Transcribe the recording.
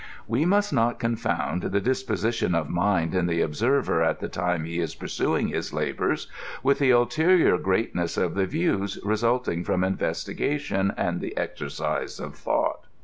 We must not confound the disposition of mind in the ob server at the time he is pursuing his labors, with the ulterior gieatneH. of the viewi tesolting fiom inyestigation and th« exercise of thought.